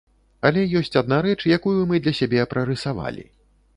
Але ёсць адна рэч, якую мы для сябе прарысавалі.